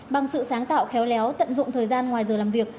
bằng sự sáng tạo khéo léo tận dụng thời gian ngoài giờ làm việc